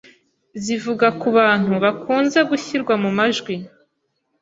zivuga ku bantu bakunze gushyirwa mu majwi